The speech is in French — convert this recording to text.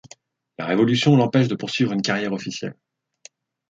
La Révolution l'empêche de poursuivre une carrière officielle.